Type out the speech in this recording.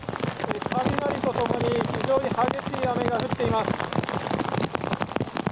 雷と共に非常に激しい雨が降っています。